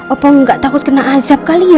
apa enggak takut kena azab kali ya